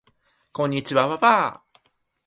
こんにちわわわわ